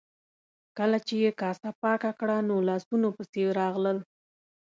کله چې یې کاسه پاکه کړه نو لاسونو پسې راغلل.